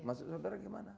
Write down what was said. masuk saudara gimana